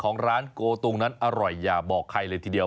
ของร้านโกตุงนั้นอร่อยอย่าบอกใครเลยทีเดียว